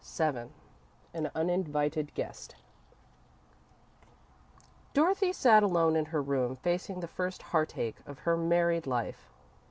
VII An Uninvited Guest Dorothy sat alone in her room, facing the first heartache of her married life.